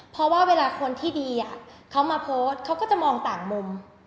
เพราะว่าเวลาคนที่ดีเขามาโพสต์เขาก็จะมองต่างมุม